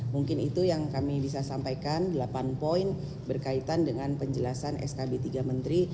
mungkin itu yang kami bisa sampaikan delapan poin berkaitan dengan penjelasan skb tiga menteri